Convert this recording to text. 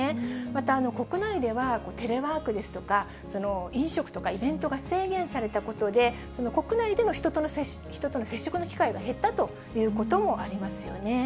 また国内では、テレワークですとか、飲食とかイベントが制限されたことで、国内での人との接触の機会が減ったということもありますよね。